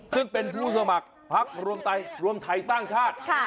ซึ่งเป็นผู้สมัครภักดิ์รวมไทยรวมไทยสร้างชาติ